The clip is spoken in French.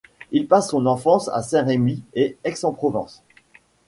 Il passe son enfance à Saint-Rémy et Aix-en-Provence.